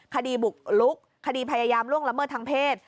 คดีบุกลุกคดีพยายามล่วงละเมิดทางเพศ